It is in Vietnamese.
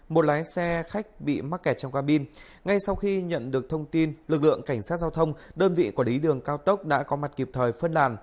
một lái xe khách bị mắc kẹt trong cabin ngay sau khi nhận được thông tin lực lượng cảnh sát giao thông đơn vị quản lý đường cao tốc đã có mặt kịp thời phân làn